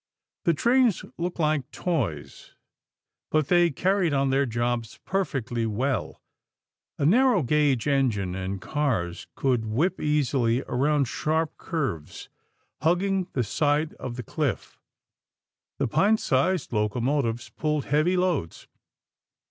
The trains looked like toys, but they carried on their jobs perfectly well. A narrow gauge engine and cars could whip easily around sharp curves, hugging the side of the cliff. The pint sized locomotives pulled heavy loads.